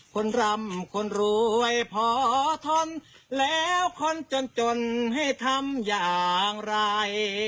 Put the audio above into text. คนรำคนรวยพอทนแล้วคนจนจนให้ทำอย่างไร